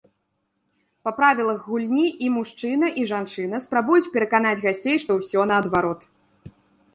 Па правілах гульні і мужчына, і жанчына спрабуюць пераканаць гасцей, што ўсё наадварот.